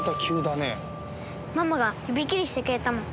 ママが指切りしてくれたもん。